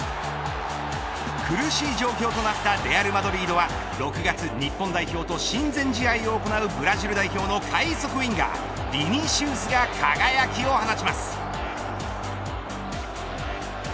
苦しい状況となったレアルマドリードは６月、日本代表と親善試合を行うブラジル代表の快速ウインガーがヴィニシウスが輝きを放ちます。